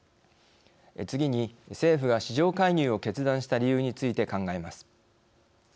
次に、政府が市場介入を決断した理由について考えます。